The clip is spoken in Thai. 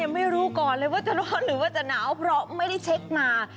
ไม่รู้ก่อนเลยว่าจะร้อนหรือว่าจะหนาวเพราะไม่ได้เช็คมา